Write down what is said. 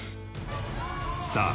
さあ